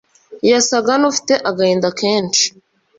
Yasaga nufite agahinda kenshi.